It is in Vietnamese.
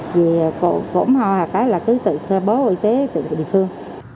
về cổ mò hoặc là cứ tự khai bó y tế tự địa phương